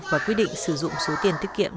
và quy định sử dụng số tiền tiết kiệm